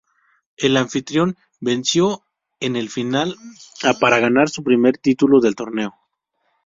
El anfitrión venció en la final a para ganar su primer título del torneo.